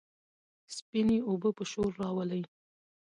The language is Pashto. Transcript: سپينې اوبه به شور راولي،